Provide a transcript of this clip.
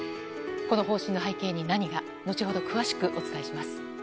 この方針の背景に何が？後ほど、詳しくお伝えします。